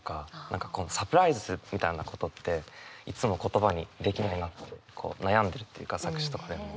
何かこのサプライズみたいなことっていつも言葉にできない悩んでるというか作詞とかでも。